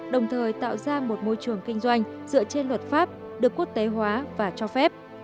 đồng thời tạo ra một môi trường kinh doanh dựa trên luật pháp được quốc tế hóa và cho phép